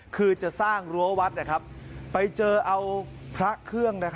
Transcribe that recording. คือจะสร้างรั้ววัดไปเจอเอาพระเครื่อง